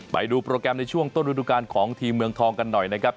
ไปดูโปรแกรมในช่วงต้นฤดูการของทีมเมืองทองกันหน่อยนะครับ